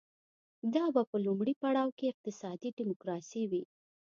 دا به په لومړي پړاو کې اقتصادي ډیموکراسي وي.